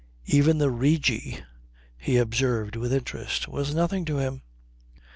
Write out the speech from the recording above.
Even the Rigi, he observed with interest, was nothing to him.